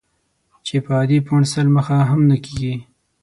چې په عادي فونټ سل مخه هم نه کېږي.